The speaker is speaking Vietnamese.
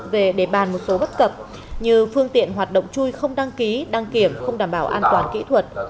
về đề bàn một số bất cập như phương tiện hoạt động chui không đăng ký đăng kiểm không đảm bảo an toàn kỹ thuật